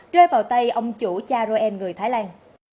rơi vào tay ông chủ charoen người thái lan